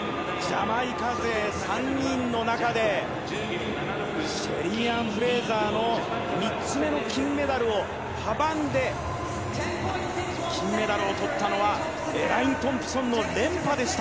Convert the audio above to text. ジャマイカ勢３人の中でシェリー・アン・フレイザーの３つ目の金メダルを阻んで金メダルを取ったのはエレイン・トンプソンの連覇でした。